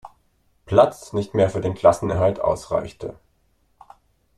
Platz nicht mehr für den Klassenerhalt ausreichte.